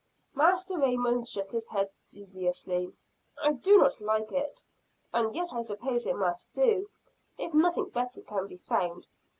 Master Raymond shook his head dubiously. "I do not like it and yet I suppose it must do, if nothing better can be found.